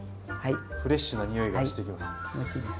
フレッシュなにおいがしてきます。